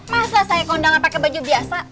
masa saya kondangan pakai baju biasa